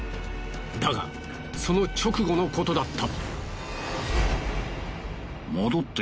だがその直後のことだった。